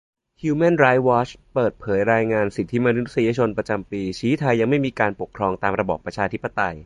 ฮิวแมนไรท์วอทช์เปิดเผยรายงานสิทธิมนุษยชนประจำปี ชี้ไทยยังไม่มีการปกครองตามระบอบประชาธิปไตย